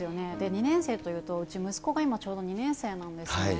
２年生というと、うち、息子がちょうど今２年生なんですね。